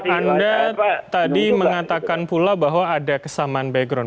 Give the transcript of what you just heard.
anda tadi mengatakan pula bahwa ada kesamaan background